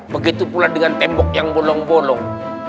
begitu pula dengan tembok yang bolong bolong